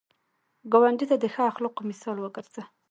ګاونډي ته د ښه اخلاقو مثال وګرځه